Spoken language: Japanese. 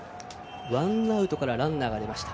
ワンアウトからランナーがありました。